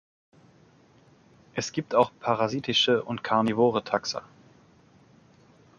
Es gibt auch parasitische und karnivore Taxa.